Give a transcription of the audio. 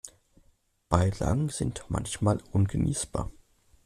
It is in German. Beilagen sind manchmal ungenießbar.